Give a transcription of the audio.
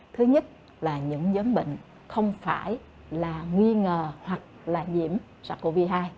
thứ nhất là những nhóm bệnh không phải là nghi ngờ hoặc là nhiễm sars cov hai